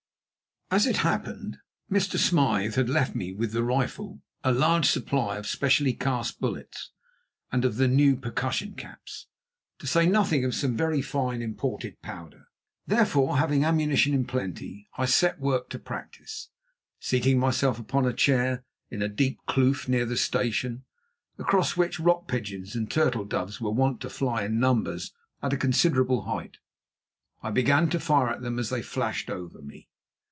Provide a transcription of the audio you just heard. As it happened, Mr. Smyth had left me with the rifle a large supply of specially cast bullets and of the new percussion caps, to say nothing of some very fine imported powder. Therefore, having ammunition in plenty, I set to work to practise. Seating myself upon a chair in a deep kloof near the station, across which rock pigeons and turtle doves were wont to fly in numbers at a considerable height, I began to fire at them as they flashed over me.